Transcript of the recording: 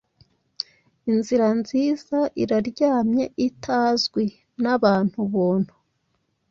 Inzira nziza iraryamyeitazwi nabantu buntu